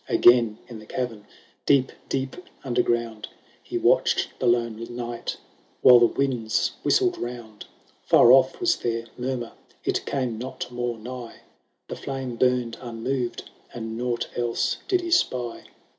Again in the cavern, deep deep under ground, He watched the lone night, while the winds whistled round ; Far off was their murmur, it came not more nigh, The flame burned unmoved, and nought else did he spy.